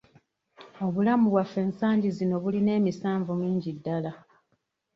Obulamu bwaffe ensangi zino bulina emisanvu mingi ddala.